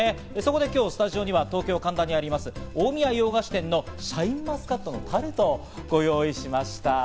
今日、スタジオには東京・神田にあります、近江屋洋菓子店のシャインマスカットのタルトをご用意しました。